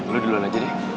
lo duluan aja deh